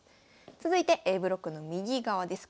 続いてＡブロックの右側です。